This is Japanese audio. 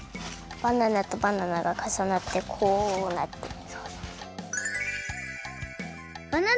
バナナとバナナがかさなってこうなってる。